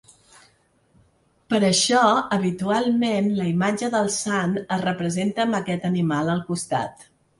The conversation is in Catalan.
Per això habitualment la imatge del sant es representa amb aquest animal al costat.